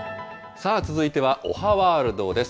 さあ、続いてはおはワールドです。